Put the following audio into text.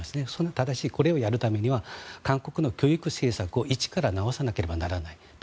ただし、これをやるためには韓国の教育政策を一から直さなければならない。